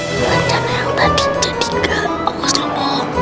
mencana yang tadi jadi gak awas doang